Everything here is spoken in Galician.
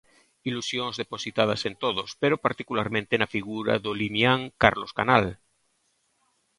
Ilusións depositadas en todos, pero particularmente na figura do limián Carlos Canal.